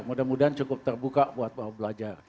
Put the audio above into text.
mudah mudahan cukup terbuka buat belajar